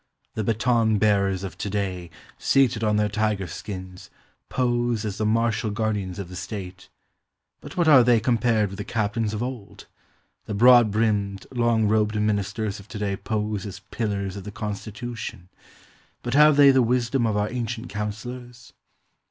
The baton bearers of to day, seated on their tiger skins, pose as the martial guardians of the state ; but what are they compared with the captains of old? The broad brimmed, long robed ministers of to day pose as pillars of the constitution; but have they the wisdom of our ancient counselors?